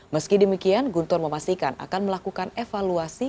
meski demikian guntur memastikan akan melakukan evaluasi